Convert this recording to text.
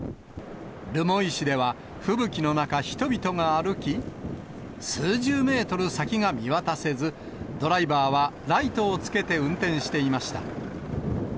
留萌市では、吹雪の中、人々が歩き、数十メートル先が見渡せず、ドライバーはライトをつけて運転していました。